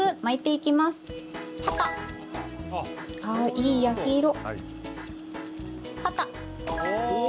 いい焼き色。